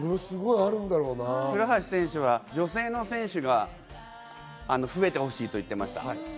倉橋選手は女性の選手が増えてほしいと言っていました。